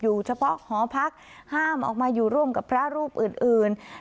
เฉพาะหอพักห้ามออกมาอยู่ร่วมกับพระรูปอื่น